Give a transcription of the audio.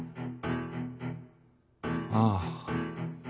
ああ。